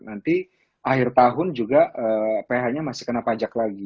nanti akhir tahun juga ph nya masih kena pajak lagi